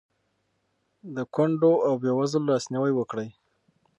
د کونډو او بېوزلو لاسنیوی وکړئ.